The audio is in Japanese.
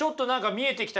見えてきた？